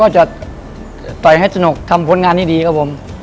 จะต่อยให้สนุกทำผลงานให้ดีครับผม